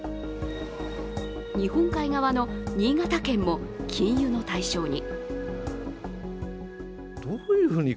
日本海側の新潟県も禁輸の対象に。